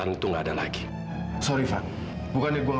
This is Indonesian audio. aku ingin menerima kejadian kejadianmu